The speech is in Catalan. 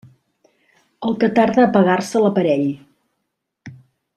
El que tarda a apagar-se l'aparell.